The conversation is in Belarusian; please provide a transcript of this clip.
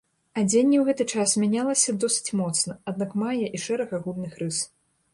Адзенне ў гэты час мянялася досыць моцна, аднак мае і шэраг агульных рыс.